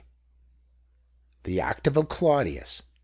B4 THE OCTAVE OF CLAUDIUS.